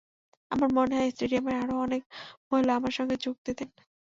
আমার মনে হয়, স্টেডিয়ামের আরও অনেক মহিলা আমার সঙ্গে যোগ দিতেন।